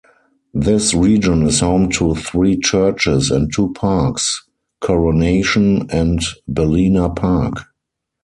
This region is home to three churches, and two parks; Coronation and Balena Park.